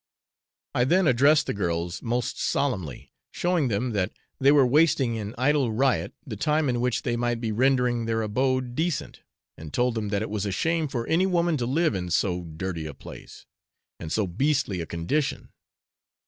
I then addressed the girls most solemnly, showing them that they were wasting in idle riot the time in which they might be rendering their abode decent, and told them that it was a shame for any woman to live in so dirty a place, and so beastly a condition.